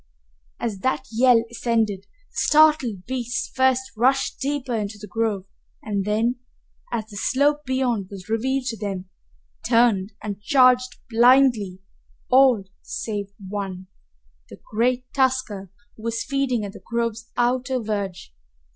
As that yell ascended, the startled beasts first rushed deeper into the grove and then, as the slope beyond was revealed to them, turned and charged blindly, all save one, the great tusker, who was feeding at the grove's outer verge.